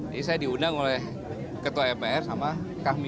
jadi saya diundang oleh ketua mpr sama kami